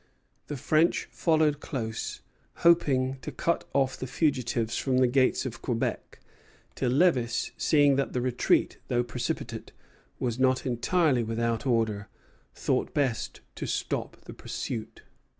The French followed close, hoping to cut off the fugitives from the gates of Quebec; till Lévis, seeing that the retreat, though precipitate, was not entirely without order, thought best to stop the pursuit.